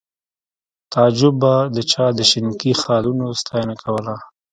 تعجب به د چا د شینکي خالونو ستاینه کوله